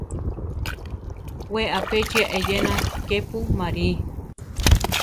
We apéchia eyéna kepu marí.